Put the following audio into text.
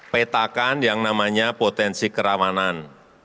petakan yang namanya potensi kerawanan